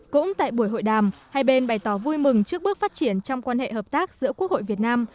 cũng tại buổi hội đàm hai bên bày tỏ vui mừng trước bước phát triển trong quan hệ hợp tác giữa quốc hội việt nam